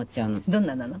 どんななの？